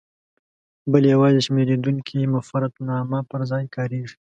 بل یوازې د شمېرېدونکي مفردنامه پر ځای کاریږي.